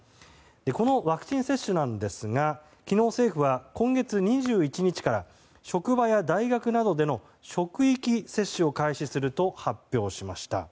このワクチン接種なんですが昨日、政府は今月２１日から職場や大学などでの職域接種を開始すると発表しました。